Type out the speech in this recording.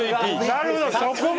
なるほどそこも。